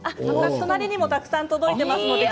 他にもたくさん届いています。